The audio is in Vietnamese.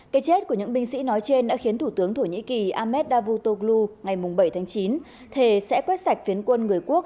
cái chết của những binh sĩ nói trên đã khiến thủ tướng thổ nhĩ kỳ ahmed davotoglu ngày bảy tháng chín thề sẽ quét sạch phiến quân người quốc